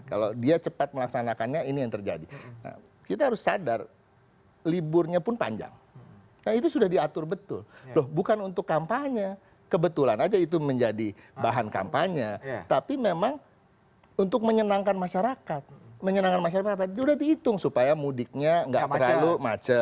kalau kata bang ciko sebenarnya pesannya biasa saja